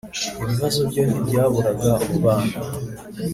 Ibibazo byo ntibyaburaga mu bana